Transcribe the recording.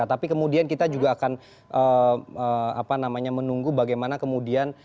tapi kemudian kita juga akan menunggu bagaimana kemudian